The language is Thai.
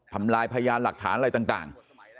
ทำลายพยานหลักฐานอะไรต่าง